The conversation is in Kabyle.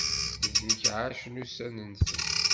Zik εacen ussan-nsen.